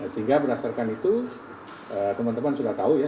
sehingga berdasarkan itu teman teman sudah tahu ya